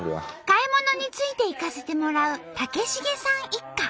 買い物についていかせてもらう武重さん一家。